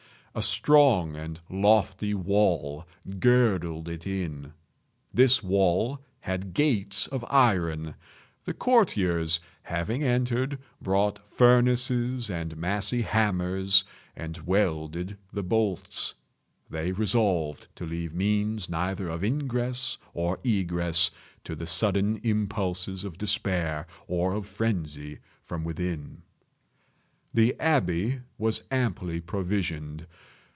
A strong and lofty wall girdled it in. This wall had gates of iron. The courtiers, having entered, brought furnaces and massy hammers and welded the bolts. They resolved to leave means neither of ingress or egress to the sudden impulses of despair or of frenzy from within. The abbey was amply provisioned.